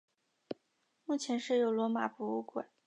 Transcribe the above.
目前设有罗马博物馆。